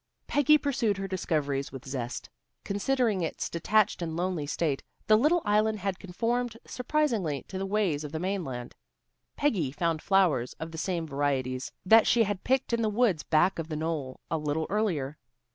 Peggy pursued her discoveries with zest. Considering its detached and lonely state, the little island had conformed surprisingly to the ways of the mainland. Peggy found flowers of the same varieties that she had picked in the woods back of the knoll a little earlier.